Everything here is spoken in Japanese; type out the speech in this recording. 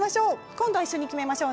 今度は一緒に決めましょう。